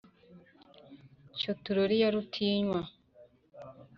cyo turore iya rutinywa,